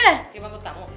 kiriman buat kamu